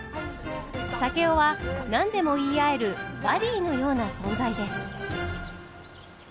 竹雄は何でも言い合えるバディーのような存在です。